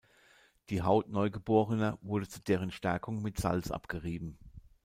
Die Haut Neugeborener wurde zu deren Stärkung mit Salz abgerieben.